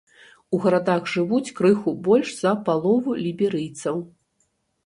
У гарадах жывуць крыху больш за палову ліберыйцаў.